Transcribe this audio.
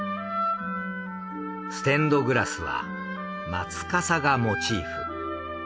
ステンドグラスは松かさがモチーフ。